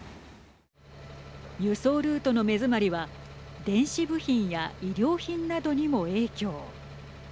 輸送ルートの目詰まりは電子部品や衣料品などにも影響。